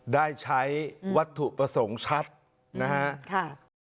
ได้ใช้วัตถุประสงค์ชัดนะครับ